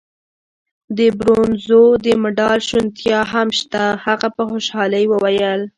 د برونزو د مډال شونتیا هم شته. هغه په خوشحالۍ وویل.